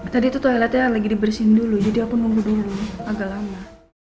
tadi itu toiletnya lagi dibersihin dulu jadi aku nunggu dulu agak lama